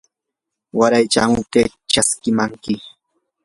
waray chamuptii chaskimankim.